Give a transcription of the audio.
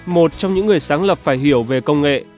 một trong những người sáng lập phải hiểu về công nghệ